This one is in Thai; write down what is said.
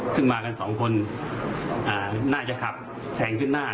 ซึ่งมากันสองคนน่าจะขับแสงขึ้นหน้า